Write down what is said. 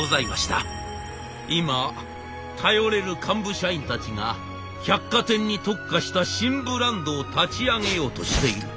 「今頼れる幹部社員たちが百貨店に特化した新ブランドを立ち上げようとしている。